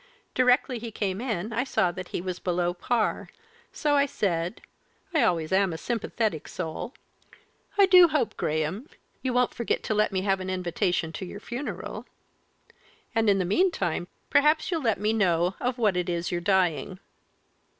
Directly he came in I saw that he was below par; so I said I always am a sympathetic soul 'I do hope, Graham, you won't forget to let me have an invitation to your funeral and, in the meantime, perhaps you'll let me know of what it is you're dying?'